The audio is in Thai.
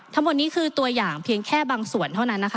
ทั้งหมดนี้คือตัวอย่างเพียงแค่บางส่วนเท่านั้นนะคะ